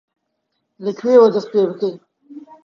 لەکوێوە دەست پێ بکەین؟